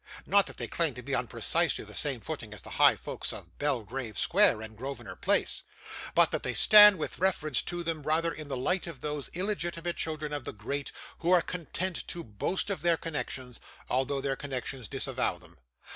Not that they claim to be on precisely the same footing as the high folks of Belgrave Square and Grosvenor Place, but that they stand, with reference to them, rather in the light of those illegitimate children of the great who are content to boast of their connections, although their connections disavow them.